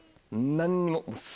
何にも。